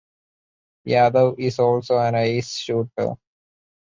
Yadav is also an ace shooter.